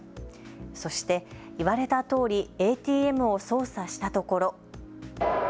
そして言われたとおりＡＴＭを操作したところ。